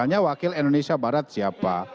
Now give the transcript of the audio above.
tanya wakil indonesia barat siapa